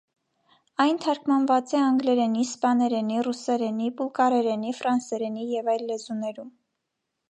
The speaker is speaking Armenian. Այն թարգմանուած է անգլերէնի, սպաներէնի, ռուսերէնի, պուլկարերէնի, ֆրանսերէնի եւ այլ լեզուներու։